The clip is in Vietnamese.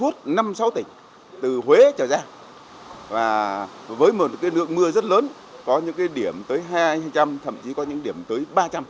từ huế trở ra với một nước mưa rất lớn có những điểm tới hai trăm linh thậm chí có những điểm tới ba trăm linh